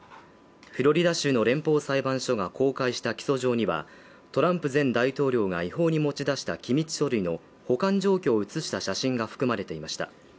フロリダ州の連邦裁判所が公開した起訴状にはトランプ前大統領が違法に持ち出した機密書類の保管状況を写した写真が含まれていました。